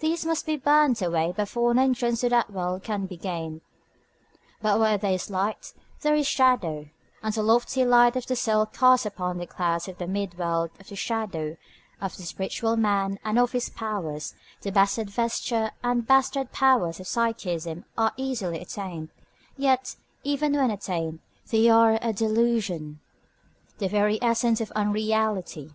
These must be burnt away before an entrance to that world can be gained. But where there is light, there is shadow; and the lofty light of the soul casts upon the clouds of the mid world the shadow of the spiritual man and of his powers; the bastard vesture and the bastard powers of psychism are easily attained; yet, even when attained, they are a delusion, the very essence of unreality.